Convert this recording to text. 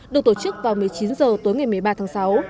được tổ chức vào một mươi chín h tối ngày một mươi ba tháng sáu